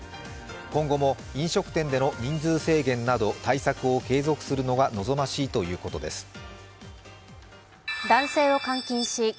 今後も飲食店での人数制限など対策を継続するのが望ましいということです。